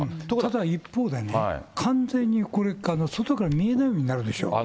ただ一方でね、完全にこれ、外から見えないようになるでしょ。